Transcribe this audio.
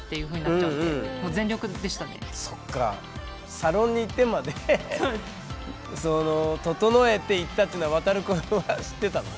サロンに行ってまで整えて行ったっていうのはワタル君は知ってたの？